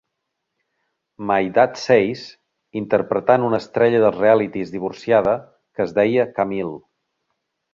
My Dad Says, interpretant una estrella dels realities divorciada que es deia Camille.